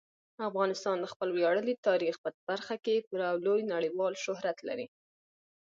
افغانستان د خپل ویاړلي تاریخ په برخه کې پوره او لوی نړیوال شهرت لري.